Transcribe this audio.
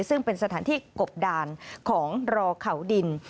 ซึ่งเป็นสถานที่กบดานของรอเขาดิน